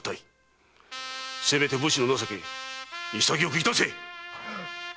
せめて武士の情け潔くいたせ！